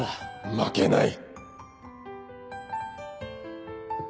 負けない。